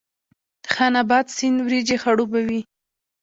خان اباد سیند وریجې خړوبوي؟